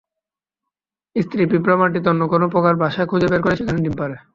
স্ত্রী পিঁপড়া মাটিতে অন্য কোন পোকার বাসা খুজে বের করে সেখানে ডিম পাড়ে।